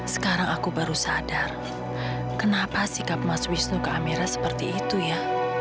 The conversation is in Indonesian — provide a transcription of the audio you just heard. sekarang aku baru sadar kenapa sikap mas wisnu ke amerika seperti itu ya